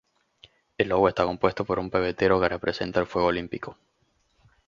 El logo está compuesto por un pebetero que representa el fuego olímpico.